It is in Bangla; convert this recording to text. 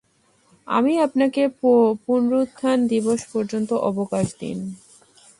আপনি আমাকে পুনরুত্থান দিবস পর্যন্ত অবকাশ দিন।